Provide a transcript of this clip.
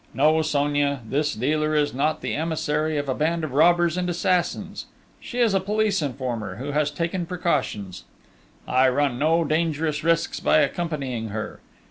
No, Sonia, this dealer is not the emissary of a band of robbers and assassins: she is a police informer, who has taken precautions. I run no dangerous risks by accompanying her!